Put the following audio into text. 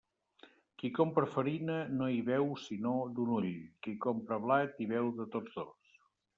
Qui compra farina no hi veu sinó d'un ull; qui compra blat hi veu de tots dos.